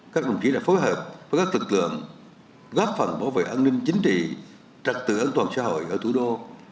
các đồng chí đã phối hợp với các lực lượng góp phần bảo vệ an ninh chính trị trật tự an toàn xã hội ở thủ đô